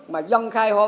mà dân khai hoa